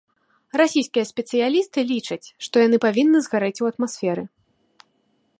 Расійскія спецыялісты лічаць, што яны павінны згарэць у атмасферы.